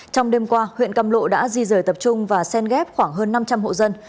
trong đêm qua huyện cam lộ đã di rời tập trung và sen ghép khoảng hơn năm trăm linh hộ dân